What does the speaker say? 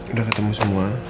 udah ketemu semua